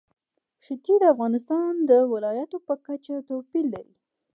ښتې د افغانستان د ولایاتو په کچه توپیر لري.